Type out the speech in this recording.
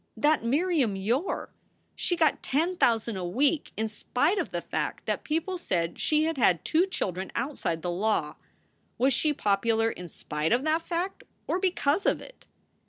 That Miriam Yore! She got ten thousand a week in spite of the fact that people said she had had two children outside the law! Was she popular in spite of that fact? or because of it?